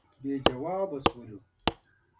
بې ځوابه شولو.